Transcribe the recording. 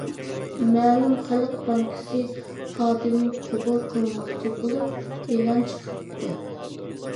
مەلۇم خەلق بانكىسى خادىم قوبۇل قىلماقچى بولۇپ، ئېلان چىقىرىپتۇ.